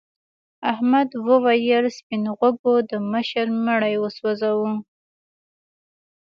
احمد وویل سپین غوږو د مشر مړی وسوځاوه.